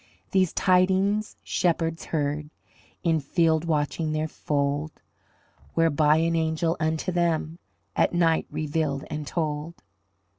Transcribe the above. These tidings shepherds heard In field watching their fold, Were by an angel unto them At night revealed and told.